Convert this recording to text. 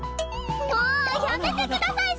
もうやめてください主任！